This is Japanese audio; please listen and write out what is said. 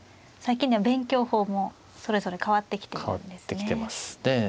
最近では勉強法もそれぞれ変わってきてるんですね。